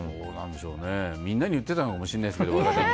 みんなに言ってたのかもしれないですけど。